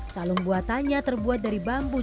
celung buatannya terbuat dari bambu jenis bulung